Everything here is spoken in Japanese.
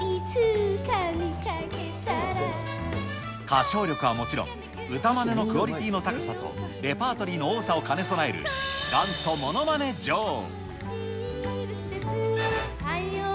歌唱力はもちろん、歌まねのクオリティーの高さと、レパートリーの多さを兼ね備える元祖ものまね女王。